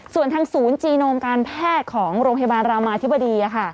ส่วนทางศูนย์จีโนมการแพทย์ของโรงพยาบาลรามาธิบดี